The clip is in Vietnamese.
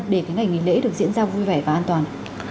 để cái ngày nghỉ lễ được diễn ra vui vẻ và an toàn